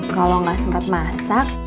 kalo gak sempet masak